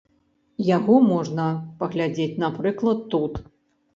Яго можна паглядзець, напрыклад, тут.